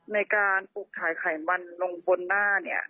ในการปลูกขายไขมันลงบนหน้าเนี่ย